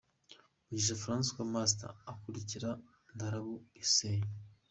Mugisha Francois Master akurikira Ndarabu Hussein.